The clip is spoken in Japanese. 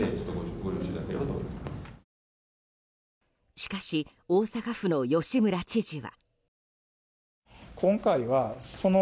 しかし大阪府の吉村知事は。